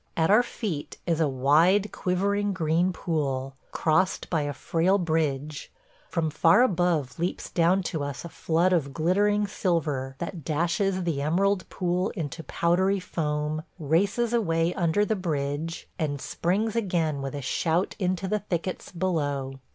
... At our feet is a wide, quivering green pool, crossed by a frail bridge; from far above leaps down to us a flood of glittering silver that dashes the emerald pool into powdery foam, races away under the bridge, and springs again with a shout into the thickets below.